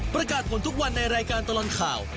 ประกาศผลทุกวันในรายการตลอดข่าว